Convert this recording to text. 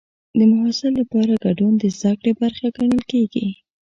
د محصل لپاره ګډون د زده کړې برخه ګڼل کېږي.